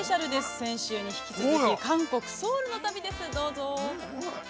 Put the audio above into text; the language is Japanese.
先週に引き続き、韓国ソウルの旅です、どうぞ。